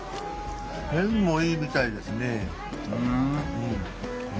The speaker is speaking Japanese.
麺もいいみたいですね。